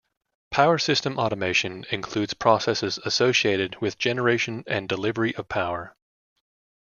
Power-system automation includes processes associated with generation and delivery of power.